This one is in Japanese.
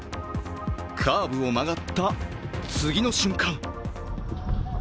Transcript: カーブを曲がった次の瞬間。